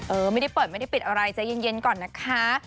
เออไม่ได้เปิดไม่ได้ปิดอะไรใจเย็นก่อนนะคะ